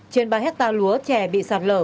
trên ba hectare lúa chè bị sạt lở